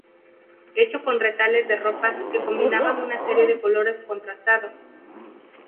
Hecho con retales de ropa que combinaban una serie de colores contrastados.